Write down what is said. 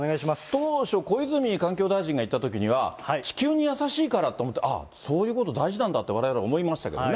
当初、小泉環境大臣が言ったときには、地球に優しいからと思って、あっ、そういうこと大事なんだって、われわれ思いましたけどね。